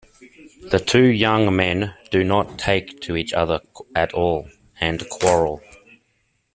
The two young men do not take to each other at all, and quarrel.